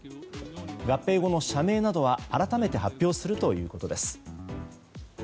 合併後の社名などは改めて発表するということです。